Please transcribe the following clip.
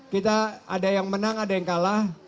kita ada yang menang ada yang kalah